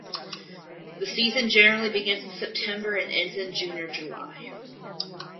The season generally begins in September and ends in June or July.